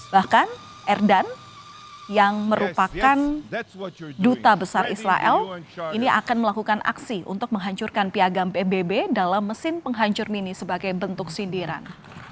bahkan erdan yang merupakan duta besar israel ini akan melakukan aksi untuk menghancurkan piagam pbb dalam mesin penghancur mini sebagai bentuk sindiran